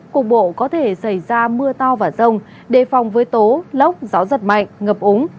cục bộ có thể xảy ra mưa to và rông đề phòng với tố lốc gió giật mạnh ngập úng